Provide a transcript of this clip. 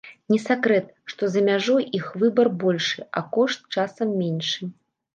Не сакрэт, што за мяжой іх выбар большы, а кошт часам меншы.